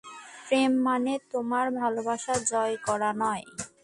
প্রেম মানে তোমার ভালবাসা, জয় করা নয়।